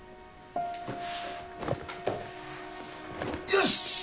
よし。